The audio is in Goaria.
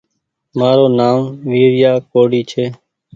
مآرو نآم ويريآ ڪوڙي ڇي